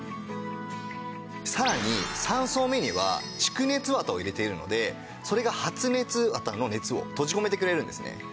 さらに３層目には蓄熱綿を入れているのでそれが発熱綿の熱を閉じ込めてくれるんですね。